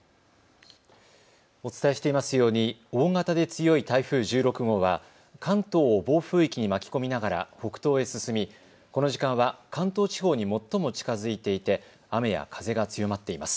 お伝えしていますように大型で強い台風１６号は関東を暴風域に巻き込みながら北東へ進みこの時間は関東地方に最も近づいていて雨や風が強まっています。